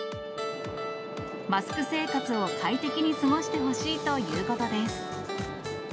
マスク生活を快適に過ごしてほしいということです。